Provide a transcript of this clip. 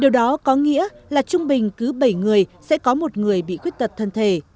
điều đó có nghĩa là trung bình cứ bảy người sẽ có một người bị khuyết tật thân thể